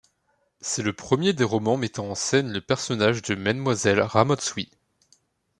C'est le premier des romans mettant en scène le personnage de Mma Ramotswe.